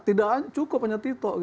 tidak cukup hanya tito